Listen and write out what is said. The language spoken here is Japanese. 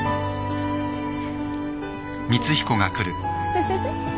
フフフ。